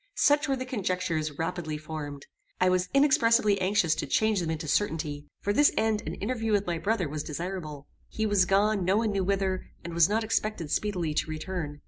Such were the conjectures rapidly formed. I was inexpressibly anxious to change them into certainty. For this end an interview with my brother was desirable. He was gone, no one knew whither, and was not expected speedily to return.